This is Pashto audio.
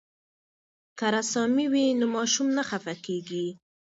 که رسامي وي نو ماشوم نه خفه کیږي.